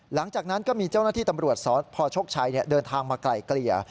หลังจากนั้นก็มีเจ้าหน้าที่ตำรวจสพชกชัยเดินทางมาไกลเกลี่ย